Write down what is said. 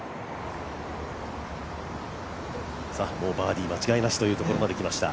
もうバーディー間違いなしというところまで来ました。